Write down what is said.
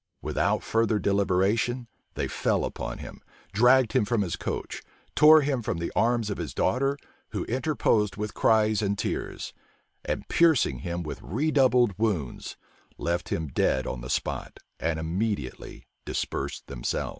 Without further deliberation, they fell upon him; dragged him from his coach; tore him from the arms of his daughter, who interposed with cries and tears; and piercing him with redoubled wounds, left him dead on the spot, and immediately dispersed themselves.